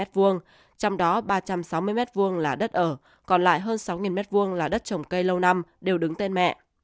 trong đó ba trăm sáu mươi m hai là đất ở còn lại hơn sáu m hai là đất trồng cây lâu năm đều đứng tên mẹ